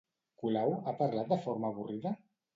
Colau ha parlat de forma avorrida?